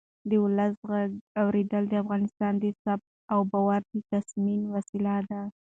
د ولس غږ اورېدل د افغانستان د ثبات او باور د تضمین وسیله ده